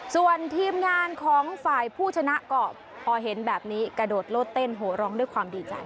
ส่วนทีมงานของฝ่ายผู้ชนะก็พอเห็นแบบนี้กระโดดโลดเต้นโหร้องด้วยความดีใจ